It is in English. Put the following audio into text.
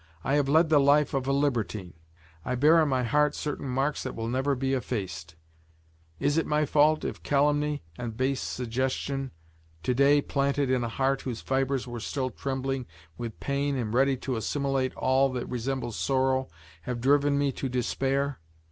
I have led the life of a libertine; I bear on my heart certain marks that will never be effaced. Is it my fault if calumny, if base suggestion, to day planted in a heart whose fibers were still trembling with pain and prompt to assimilate all that resembles sorrow, has driven me to despair?